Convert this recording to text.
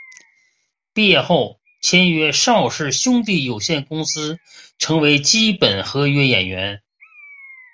毕业后签约邵氏兄弟有限公司成为基本合约演员。